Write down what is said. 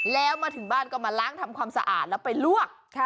แล้วมาถึงบ้านก็มาล้างทำความสะอาดแล้วไปลวก